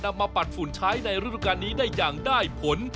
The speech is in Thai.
มาปัดฝุ่นใช้ในฤดูการนี้ได้อย่างได้ผล